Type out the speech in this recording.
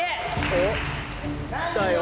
お来たよ。